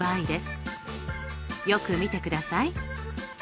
よく見てください。